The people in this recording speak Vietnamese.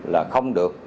là không được